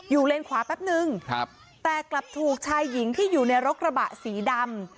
เลนขวาแป๊บนึงแต่กลับถูกชายหญิงที่อยู่ในรถกระบะสีดำ